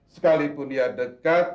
sekalipun dia dekat